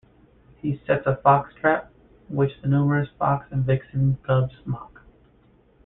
He sets a fox trap, which the numerous fox and vixen cubs mock.